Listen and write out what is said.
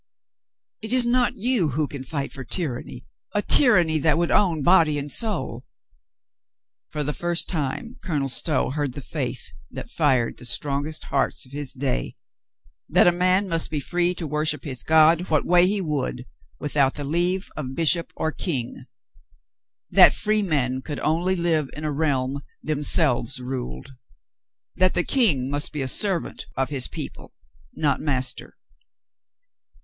"It is not you who can fight for tyranny — a tyr anny that would own body and soul." For the first time Colonel Stow heard the faith that fired the strongest hearts of his day — that a man must be free to worship his God what way he would without the leave of bishop or King; that free men could only live in a realm themselves ruled ; that the King must be servant of his people, not master.